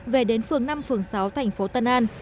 về đến phường năm phường sáu thành phố tân an